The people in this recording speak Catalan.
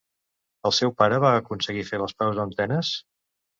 El seu pare va aconseguir fer les paus amb Tenes?